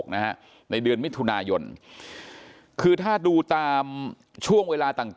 นะฮะในเดือนมิถุนายนคือถ้าดูตามช่วงเวลาต่าง